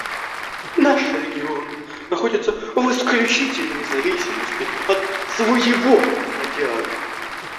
Наш регион находится в исключительной зависимости от своего океана.